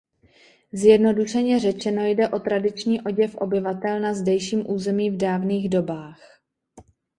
Zjednodušeně řečeno jde o tradiční oděv obyvatel na zdejším území v dávných dobách.